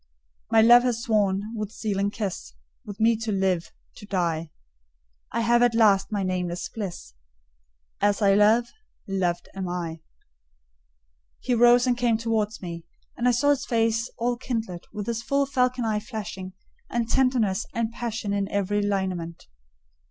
My love has sworn, with sealing kiss, With me to live—to die; I have at last my nameless bliss. As I love—loved am I!" He rose and came towards me, and I saw his face all kindled, and his full falcon eye flashing, and tenderness and passion in every lineament.